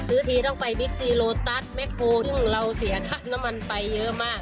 ทีต้องไปบิ๊กซีโลตัสแคลซึ่งเราเสียค่าน้ำมันไปเยอะมาก